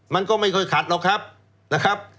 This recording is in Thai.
มันก็ไม่ค่อยขัดหรอกครับ